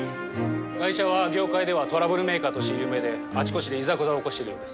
ガイシャは業界ではトラブルメーカーとして有名であちこちでいざこざを起こしてるようです。